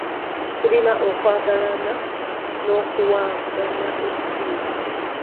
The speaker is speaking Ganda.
Tulina okwagalaggana n'okuwangana ekitiibwa.